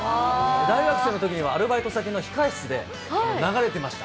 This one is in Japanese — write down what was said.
大学生のときには、アルバイト先の控室で流れてました。